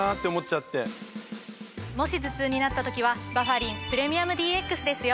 もし頭痛になった時はバファリンプレミアムＤＸですよ。